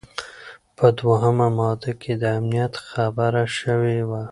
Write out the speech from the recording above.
په دوهمه ماده کي د امنیت خبره شوې وه.